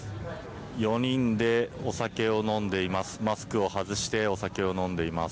４人でお酒を飲んでいます。